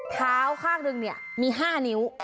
เท้าข้างนึงเนี่ยมี๕นิ้ว